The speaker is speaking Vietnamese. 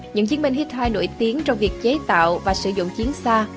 những chiến binh hittai nổi tiếng trong việc chế tạo và sử dụng chiến xa